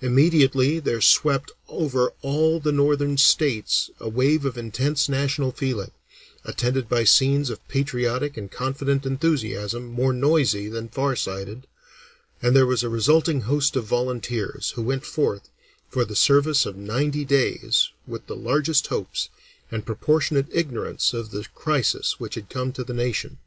Immediately there swept over all the northern states a wave of intense national feeling, attended by scenes of patriotic and confident enthusiasm more noisy than far sighted, and there was a resulting host of volunteers, who went forth for the service of ninety days with the largest hopes, and proportionate ignorance of the crisis which had come to the nation.